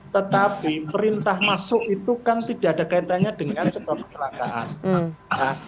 tetapi perintah masuk maksudut prajuritol domestikvan b ahora sempit di depan pasir berada di nai